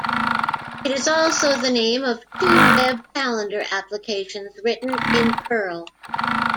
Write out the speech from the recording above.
It is also the name of two web calendar applications written in Perl.